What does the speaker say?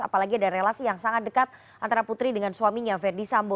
apalagi ada relasi yang sangat dekat antara putri dengan suaminya verdi sambo